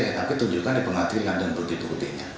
tapi tunjukkan di pengadilan dan bukti buktinya